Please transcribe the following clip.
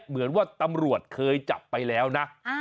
เหมือนว่าตำรวจเคยจับไปแล้วนะ